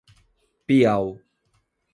Piau